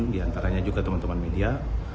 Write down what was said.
diantaranya juga teman teman media